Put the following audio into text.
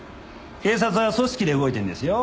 警察は組織で動いてるんですよ。